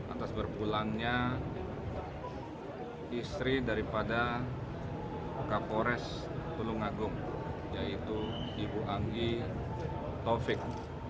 atas berpulangnya istri dari kapolres tulung agung yaitu ibu anggi tovik